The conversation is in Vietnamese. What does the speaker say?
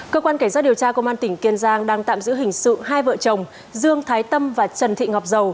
cơ quan cảnh sát điều tra công an tp hcm đang tạm giữ hình sự hai vợ chồng dương thái tâm và trần thị ngọc dầu